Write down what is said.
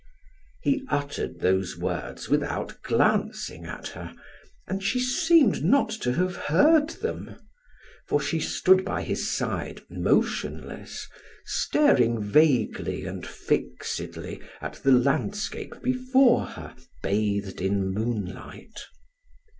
He uttered these words without glancing at her, and she seemed not to have heard them, for she stood by his side motionless, staring vaguely and fixedly at the landscape before her, bathed in moonlight.